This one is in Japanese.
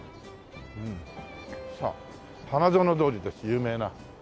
さあ花園通りです有名な。